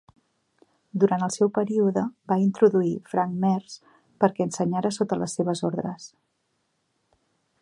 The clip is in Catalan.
Durant el seu període va introduir Frank Mears perquè ensenyara sota les seves ordres